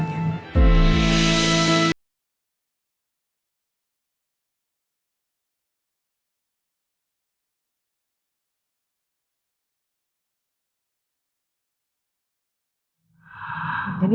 aku punya hati